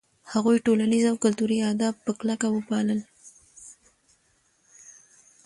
هغوی ټولنیز او کلتوري آداب په کلکه وپالـل.